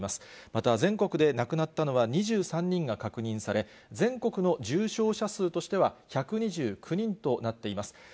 また、全国で亡くなったのは２３人が確認され、全国の重症者数としては１２９人となっています。